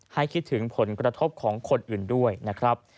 คิดถึงผลกระทบของคนอื่นด้วยนะครับ